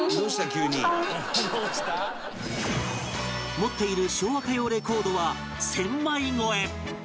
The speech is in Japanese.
持っている昭和歌謡レコードは１０００枚超え